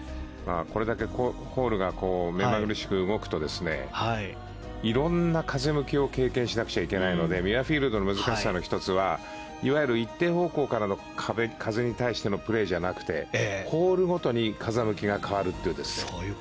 これだけホールが目まぐるしく動くといろんな風向きを経験しなくちゃいけないのでミュアフィールドの難しさの１つはいわゆる一定方向からの風に対してのプレーじゃなくてホールごとに風向きが変わるという。